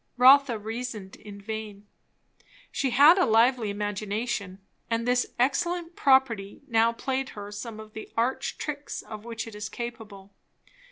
Rotha reasoned in vain. She had a lively imagination; and this excellent property now played her some of the arch tricks of which it is capable.